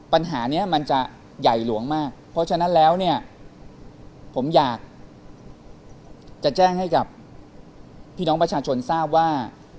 ปัญหานี้มันจะใหญ่หลวงมากเพราะฉะนั้นแล้วเนี่ยผมอยากจะแจ้งให้กับพี่น้องประชาชนทราบว่า